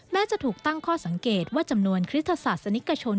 แม้จะถูกตั้งข้อสังเกตว่าจำนวนคริสตศาสนิกชน